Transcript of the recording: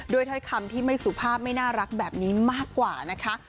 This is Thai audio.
ถ้อยคำที่ไม่สุภาพไม่น่ารักแบบนี้มากกว่านะคะ